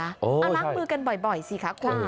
เอาล้างมือกันบ่อยสิคะคุณ